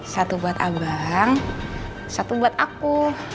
satu buat abang satu buat aku